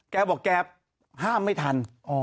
แกบอกแกห้ามไม่ทัน